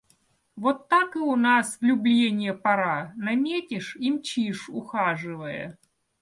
Вот так и у нас влюбленья пора: наметишь — и мчишь, ухаживая.